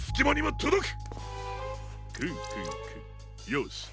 よし。